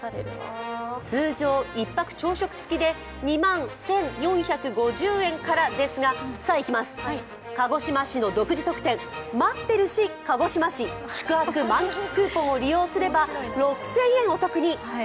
通常、１泊朝食付きで２万１４５０円からですが、さあいきます、鹿児島市の独自特典まってるし鹿児島市宿泊満喫クーポンを利用すれば６０００円お得に。